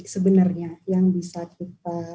sebenarnya yang bisa kita